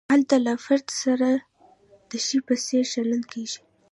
هلته له فرد سره د شي په څېر چلند کیږي.